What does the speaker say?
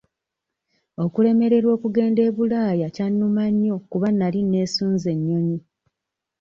Okulemererwa okugenda e Bulaaya kyannuma nnyo kuba nali neesunze ennyonyi.